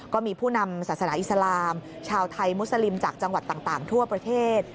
ก็มีผู้นำศาสนาอิสลามชาวไทยมุสลิมจากจังหวัดต่างทั่วประเทศ